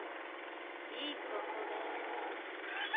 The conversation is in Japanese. いい方法があるはぁ！